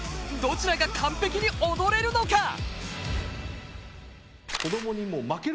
どちらが完璧に踊れるのか？